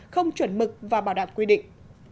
không chuẩn mực và bảo đảm quy định